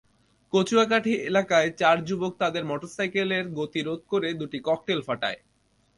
কচুয়াকাঠি এলাকায় চার যুবক তাঁদের মোটরসাইকেলের গতি রোধ করে দুটি ককটেল ফাটায়।